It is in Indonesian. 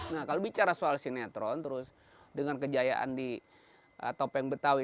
nah kalau bicara soal sinetron terus dengan kejayaan di topeng betawi